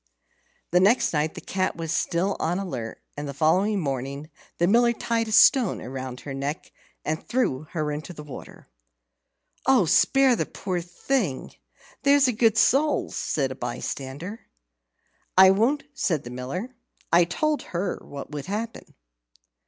The next night the cat was still on the alert, and the following morning the Miller tied a stone round her neck, and threw her into the water. "Oh, spare the poor thing, there's a good soul," said a bystander. "I won't," said the Miller. "I told her what would happen."